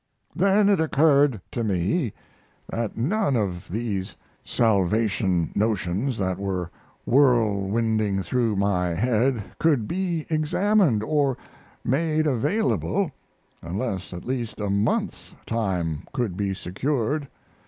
Then it occurred to me that none of these salvation notions that were whirlwinding through my head could be examined or made available unless at least a month's time could be secured.